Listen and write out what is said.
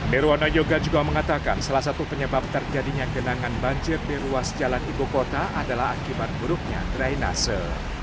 nirwana yoga juga mengatakan salah satu penyebab terjadinya genangan banjir di ruas jalan ibu kota adalah akibat buruknya drainase